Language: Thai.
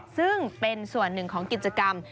ซึ่งเป็นส่วนหนึ่งของกิจกรรม